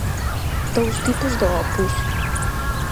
Dous tipos do Opus.